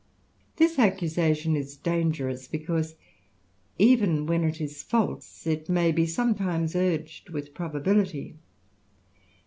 This accusation is dangerous, because, even when it l^ false, it may be sometimes urged with probability.